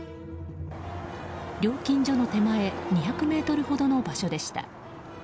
料金所の手前２００ｍほどの場所でした。